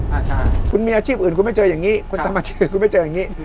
อ่าใช่คุณมีอาชีพอื่นคุณไม่เจออย่างนี้คุณทำอาชีพคุณไม่เจออย่างนี้